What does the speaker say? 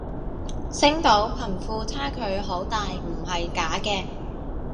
星島貧富差距好大唔係假嘅